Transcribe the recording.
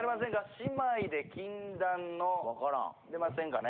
姉妹で禁断の出ませんかね？